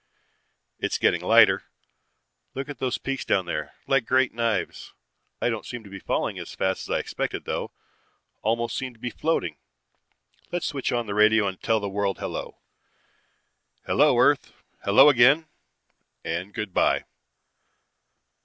"It's getting lighter. Look at those peaks down there! Like great knives. I don't seem to be falling as fast as I expected though. Almost seem to be floating. Let's switch on the radio and tell the world hello. Hello, earth ... hello, again ... and good by ...